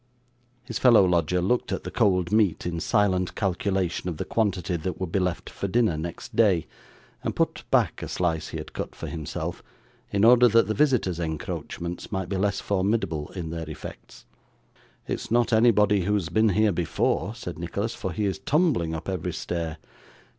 His fellow lodger looked at the cold meat in silent calculation of the quantity that would be left for dinner next day, and put back a slice he had cut for himself, in order that the visitor's encroachments might be less formidable in their effects. 'It is not anybody who has been here before,' said Nicholas, 'for he is tumbling up every stair.